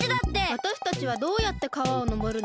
わたしたちはどうやって川をのぼるの？